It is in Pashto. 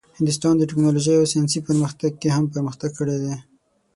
هندوستان د ټیکنالوژۍ او ساینسي پرمختګ کې هم پرمختګ کړی دی.